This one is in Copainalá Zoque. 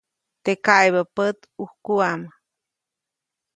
Teʼ kaʼebä pät, ʼujkuʼam.